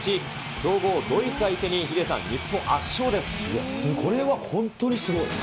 強豪、ドイツ相手に、ヒデさん、これは本当にすごい。